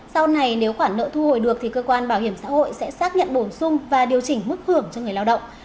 sau này nếu khoản nợ thu hồi được thì cơ quan bảo hiểm xã hội sẽ xác nhận bổ sung và điều chỉnh mức hưởng cho người lao động